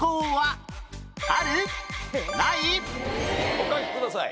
お書きください。